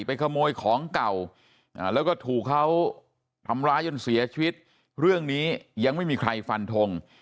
ขโมยของเก่าแล้วก็ถูกเขาทำร้ายจนเสียชีวิตเรื่องนี้ยังไม่มีใครฟันทง